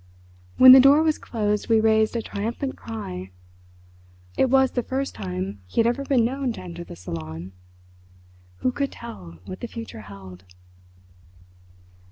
When the door was closed we raised a triumphant cry! It was the first time he had ever been known to enter the salon. Who could tell what the Future held?